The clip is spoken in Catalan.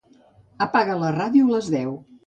Apaga la ràdio a les deu.